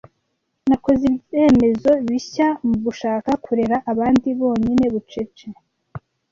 nakoze ibyemezo bishya mugushaka kurera abandi bonyine bucece